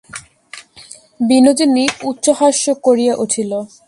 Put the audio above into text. বিনোদিনী উচ্চহাস্য করিয়া উঠিল।